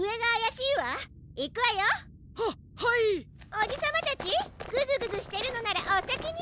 おじさまたちグズグズしてるのならおさきに！